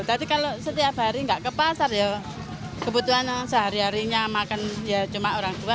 tadi kalau setiap hari nggak ke pasar ya kebutuhan sehari harinya makan ya cuma orang tua